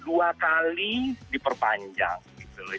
dua kali diperpanjang gitu loh